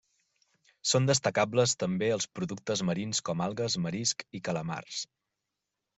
Són destacables també els productes marins com algues, marisc i calamars.